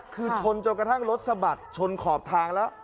คือชนจนกระทั่งรถสะบัดชนขอบทางแล้ว